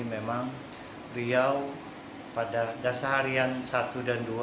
memang riau pada dasar harian satu dan dua